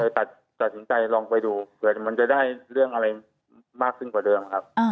ตัดสินใจลองไปดูเผื่อมันจะได้เรื่องอะไรมากขึ้นกว่าเดิมครับ